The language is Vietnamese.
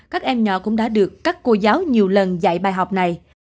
các em nhỏ cũng đã được các cô giáo nhiều lần dạy bài học này